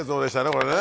これね！